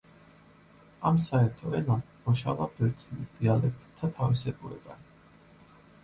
ამ საერთო ენამ მოშალა ბერძნულ დიალექტთა თავისებურებანი.